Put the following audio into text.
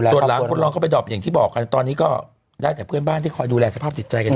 ส่วนหลานคนรองก็ไปดอบอย่างที่บอกกันตอนนี้ก็ได้แต่เพื่อนบ้านที่คอยดูแลสภาพจิตใจกันอยู่